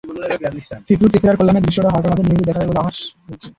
Fikru তেফেরার কল্যাণে দৃশ্যটা ঢাকার মাঠে নিয়মিত দেখা যাবে বলে আভাস মিলছে।